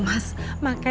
mamahapa dia udah jenthen